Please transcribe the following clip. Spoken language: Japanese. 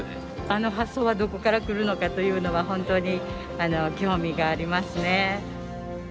あの発想はどこから来るのかというのは本当に興味がありますね。